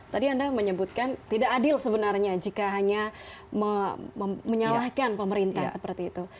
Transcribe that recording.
tadi anda menyebutkan tidak adil sebenarnya jika hanya menyalahkan pemerintah seperti itu